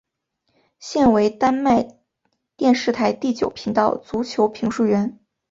现为丹麦电视台第九频道足球评述员。